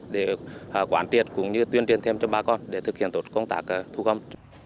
để quán triệt cũng như tuyên truyền thêm cho bà con để thực hiện tốt công tác thu gom